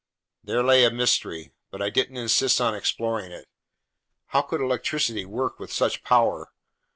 There lay a mystery, but I didn't insist on exploring it. How could electricity work with such power?